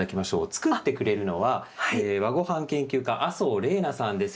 作ってくれるのは和ごはん研究家麻生怜菜さんです。